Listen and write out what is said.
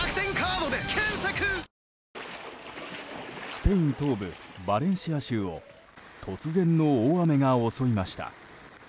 スペイン東部バレンシア州を突然の大雨が襲いました。